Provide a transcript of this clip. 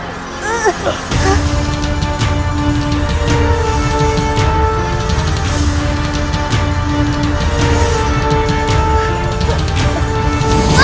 oh soalnya tuanku sudah dia